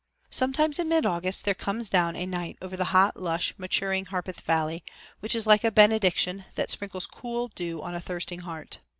Sometimes in mid August there comes down a night over the hot, lush, maturing Harpeth Valley which is like a benediction that sprinkles cool dew on a thirsting heart.